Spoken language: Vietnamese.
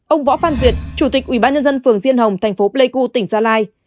ông võ phan duyệt chủ tịch ubnd phường diên hồng tp pleiku tỉnh gia lai